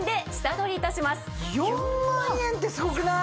４万円ってすごくない？